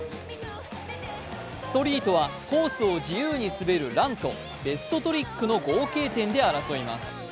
ストリートはコースを自由に滑るランとベストトリックの合計点で争います。